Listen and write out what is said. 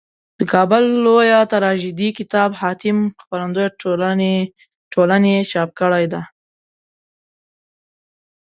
دکابل لویه تراژیدي کتاب حاتم خپرندویه ټولني چاپ کړیده.